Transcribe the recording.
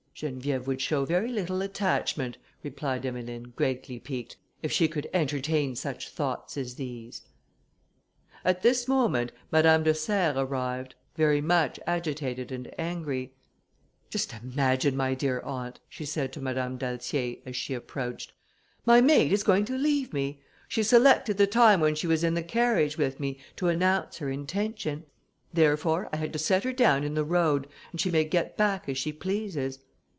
'" "Geneviève would show very little attachment," replied Emmeline, greatly piqued, "if she could entertain such thoughts as these." At this moment Madame de Serres arrived, very much agitated and angry. "Just imagine, my dear aunt," she said to Madame d'Altier, as she approached, "my maid is going to leave me. She selected the time when she was in the carriage with me, to announce her intention; therefore I had her set down in the road, and she may get back as she pleases.